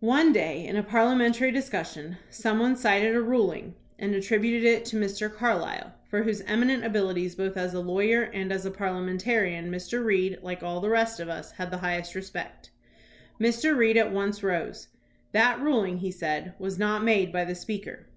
One day in a parliamentary discussion some one cited a ruling and attributed it to Mr. Carlisle, for whose eminent abilities both as a lawyer and as a parliamentarian Mr. Reed, like all the rest of us, had the highest respect. Mr. Reed at once rose. "That ruling," he said, "was not made by the Speaker.